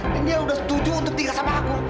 dan dia udah setuju untuk tinggal sama aku